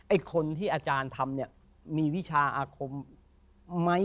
ไอ้คนที่อาจารย์ทำเนี่ยมีวิชาอาคมไหม